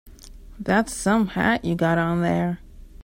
That's some hat you got on there.